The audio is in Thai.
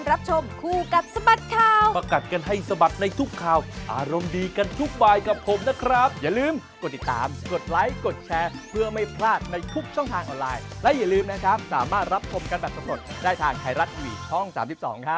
แล้วก็ยาวถึง๒๘เซนติเมตรเลยว้าวที่ผมจำอีกแล้ว